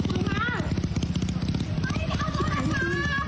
กลับมาเถอะ